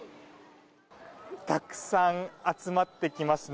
たくさん集まってきますね。